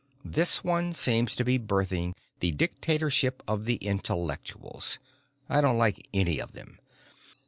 This one seems to be birthing the dictatorship of the intellectuals. I don't like any of them!"